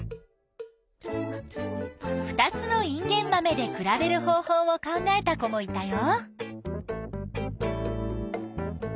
２つのインゲンマメで比べる方法を考えた子もいたよ。